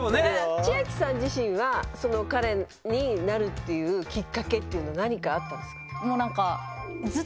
千明さん自身は彼になるっていうきっかけっていうのは何かあったんですか？